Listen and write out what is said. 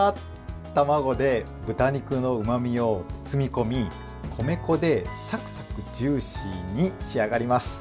卵で豚肉のうまみを包み込み米粉でサクサクジューシーに仕上がります。